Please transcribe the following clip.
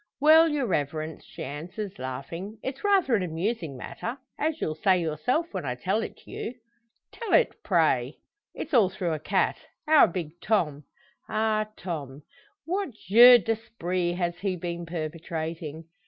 "Well, your reverence," she answers, laughing, "it's rather an amusing matter as you'll say yourself, when I tell it you." "Tell it, pray!" "It's all through a cat our big Tom." "Ah, Tom! What jeu d'esprit has he been perpetrating?"